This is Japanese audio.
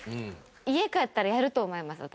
家に帰ったらやると思います私。